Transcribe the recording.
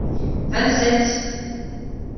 Vingt-sept.